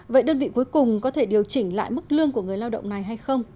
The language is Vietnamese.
vậy đơn vị cuối cùng có thể điều chỉnh lại mức lương của người lao động này hay không